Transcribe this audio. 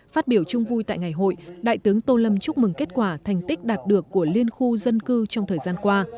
phát biểu chung vui tại ngày hội đại tướng tô lâm chúc mừng kết quả thành tích đạt được của liên khu dân cư trong thời gian qua